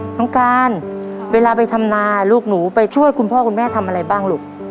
น้องการเวลาไปทำนาลูกหนูไปช่วยคุณพ่อคุณแม่ทำอะไรบ้างลูก